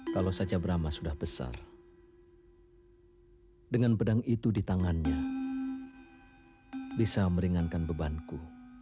kalau saja brama sudah besar dengan pedang itu di tangannya bisa meringankan bebanku